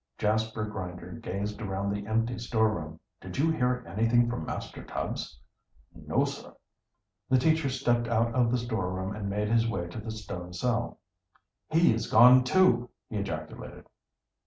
Jasper Grinder gazed around the empty storeroom. "Did you hear anything from Master Tubbs?" "No, sir." The teacher stepped out of the storeroom and made his way to the stone cell. "He is gone too!" he ejaculated.